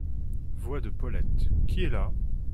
Voix de Paulette. — Qui est là ?